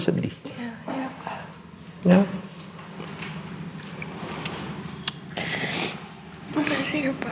terus kami terus